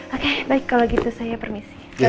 oke baik kalau gitu saya permisi